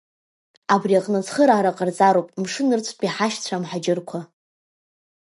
Абри аҟны ацхыраара ҟарҵароуп мшын нырцәтәи ҳашьцәа амҳаџьырқәа.